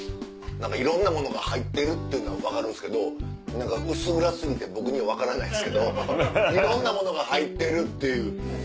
何かいろんなものが入ってるっていうのは分かるんですけど何か薄暗過ぎて僕には分からないですけどいろんなものが入ってるという。